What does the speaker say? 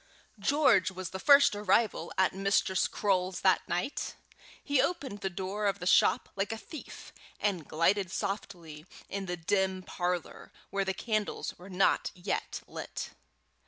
George was the first arrival at Mistress Croale's that night. He opened the door of the shop like a thief, and glided softly into the dim parlour, where the candles were not yet lit.